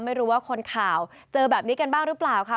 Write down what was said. ไม่รู้ว่าคนข่าวเจอแบบนี้กันบ้างหรือเปล่าค่ะ